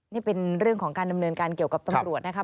นี่เป็นเรื่องของการดำเนินการเกี่ยวกับตำรวจนะครับ